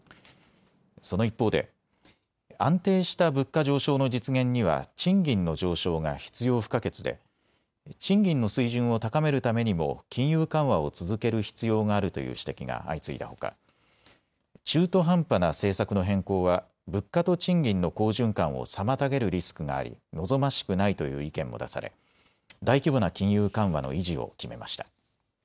その一方で安定した物価上昇の実現には賃金の上昇が必要不可欠で賃金の水準を高めるためにも金融緩和を続ける必要があるという指摘が相次いだほか、中途半端な政策の変更は物価と賃金の好循環を妨げるリスクがあり望ましくないという意見も出され大規模な金融緩和の維持を決めました。